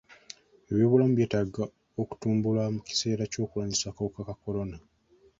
Eby'obulamu byetaaga okutumbulwa mu kiseera ky'okulwanyisa akawuka ka kolona.